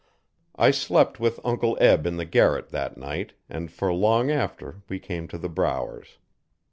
I slept with Uncle Eb in the garret, that night, and for long after we came to the Brower's.